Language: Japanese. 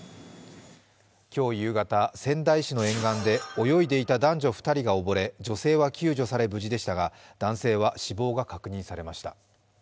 今日夕方、仙台市の沿岸で泳いでいた男女２人がおぼれ女性は救助され無事でしたが男性は死亡が確認されました。